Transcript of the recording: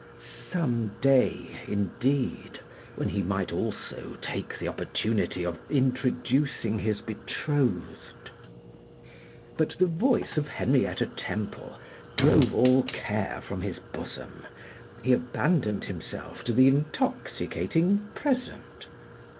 'Some day,' indeed, when he might also take the opportunity of introducing his betrothed! But the voice of Henrietta Temple drove all care from his bosom; he abandoned himself to the intoxicating present.